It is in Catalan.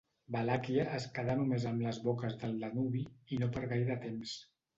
Valàquia es quedà només amb les boques del Danubi, i no per gaire temps.